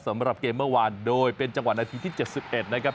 สำหรับเกมเมื่อวานโดยเป็นจังหวะนาทีที่๗๑นะครับ